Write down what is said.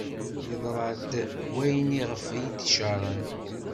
Yeḍra-d wayen iɣef i d-caren.